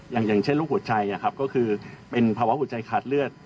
อย่างเช่นโรคหัวใจก็คือเป็นภาวะหัวใจขาดเลือด